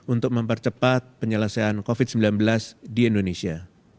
untuk mempercepat penyelesaian covid sembilan belas di indonesia